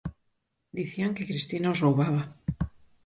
Dicían que Cristina os roubaba.